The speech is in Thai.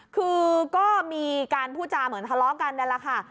คือก็มีกว่าการพูดจามเหมือนทะเลาะกันได้ละค่ะ